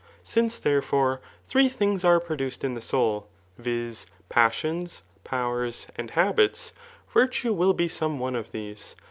^upNce, .therefore, three things are produced in the soul, viz, passions, powers, and habits, virtue will be some pne of these.